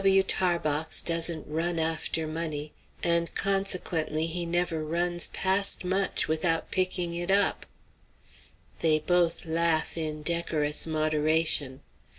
"G. W. Tarbox doesn't run after money, and consequently he never runs past much without picking it up." They both laugh in decorous moderation.